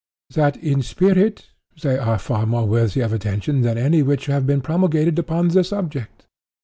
"That, in spirit, they are far more worthy of attention than any which have been promulgated upon the subject.